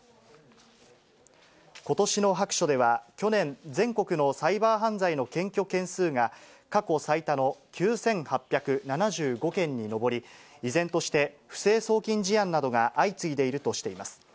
ことしの白書では、去年、全国のサイバー犯罪の検挙件数が過去最多の９８７５件に上り、依然として不正送金事案などが相次いでいるとしています。